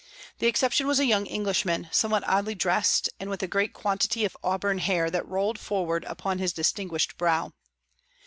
The exception was a young Englishman, somewhat oddly dressed, and with a great quantity of auburn hair that rolled forward upon his distinguished brow.